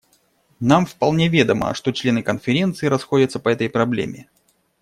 Нам вполне ведомо, что члены Конференции расходятся по этой проблеме.